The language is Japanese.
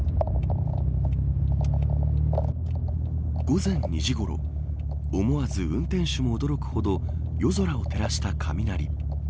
午前２時ごろ思わず、運転手も驚くほど夜空を照らした雷。